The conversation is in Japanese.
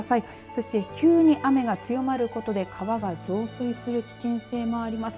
そして急に雨が強まることで川が増水する危険性もあります。